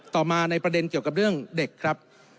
ต่อมาในประเด็นเกี่ยวกับเรื่องเด็กครับ